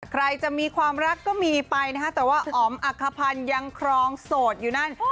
ใครจะมีความรักก็มีไปนะฮะแต่ว่าอ๋อมอักขพันธ์ยังครองโสดอยู่นั่น